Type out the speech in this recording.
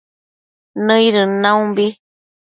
nëidën naumbi